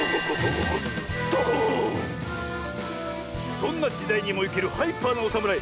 どんなじだいにもいけるハイパーなおさむらい